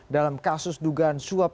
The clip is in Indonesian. dalam kasus dugaan suap